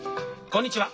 こんにちは。